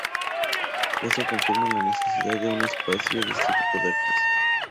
Eso confirma la necesidad de un espacio este tipo de actos